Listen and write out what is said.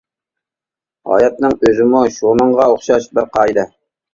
ھاياتنىڭ ئۆزىمۇ شۇنىڭغا ئوخشاش بىر قائىدە.